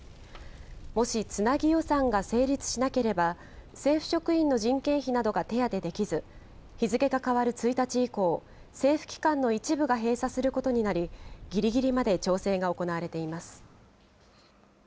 もしつなぎ予算が成立しなければ、政府職員の人件費などが手当てできず、日付が変わる１日以降、政府機関の一部が閉鎖することになり、ぎりぎりまで調整が行われています。